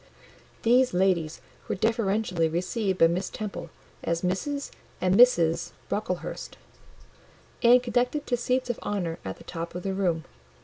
These ladies were deferentially received by Miss Temple, as Mrs. and the Misses Brocklehurst, and conducted to seats of honour at the top of the room.